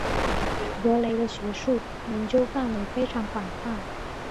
格雷的学术研究范围非常广泛。